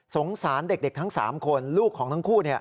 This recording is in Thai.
สารเด็กทั้ง๓คนลูกของทั้งคู่